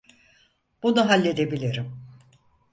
Bunu halledebilirim.